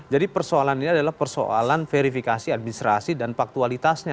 jadi persoalan ini adalah persoalan verifikasi administrasi dan faktualitasnya